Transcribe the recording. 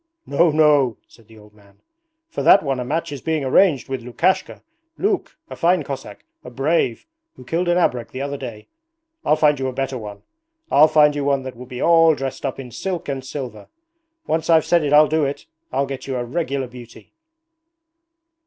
'No, no,' said the old man. 'For that one a match is being arranged with Lukashka, Luke, a fine Cossack, a brave, who killed an abrek the other day. I'll find you a better one. I'll find you one that will be all dressed up in silk and silver. Once I've said it I'll do it. I'll get you a regular beauty!'